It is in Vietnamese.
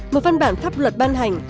một văn bản pháp luật ban hành